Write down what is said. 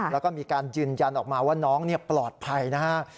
แล้วก็มีการยืนยันออกมาว่าน้องปลอดภัยนะฮะ